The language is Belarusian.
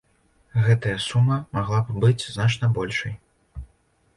Гэтая сума магла б быць значна большай.